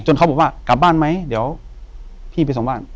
เขาบอกว่ากลับบ้านไหมเดี๋ยวพี่ไปส่งบ้าน